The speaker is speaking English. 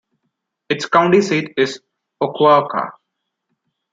Its county seat is Oquawka.